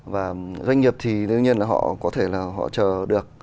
và doanh nghiệp thì đương nhiên là họ có thể là họ chờ được